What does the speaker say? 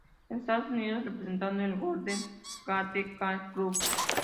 De Estados Unidos, representando al "Golden Gate Yacht Club".